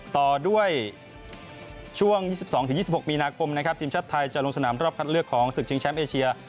ต่อด้วยช่วง๒๒๒๖มีนาคมนะครับทีมชาติไทยจะลงสนามรอบคัดเลือกของศึกชิงแชมป์เอเชีย